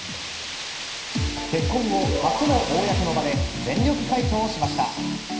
結婚後、初の公の場で全力回答しました。